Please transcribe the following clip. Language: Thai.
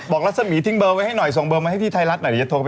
รัศมีร์ทิ้งเบอร์ไว้ให้หน่อยส่งเบอร์มาให้ที่ไทยรัฐหน่อยเดี๋ยวจะโทรไป